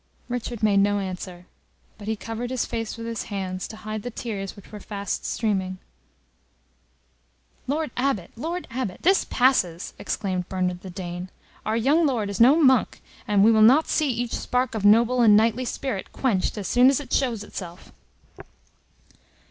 Richard made no answer, but he covered his face with his hands, to hide the tears which were fast streaming. "Lord Abbot, Lord Abbot, this passes!" exclaimed Bernard the Dane. "Our young Lord is no monk, and we will not see each spark of noble and knightly spirit quenched as soon as it shows itself."